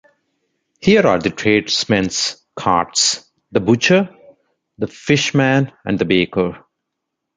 Here are the tradesmen's carts — the butcher, the fish-man and the baker.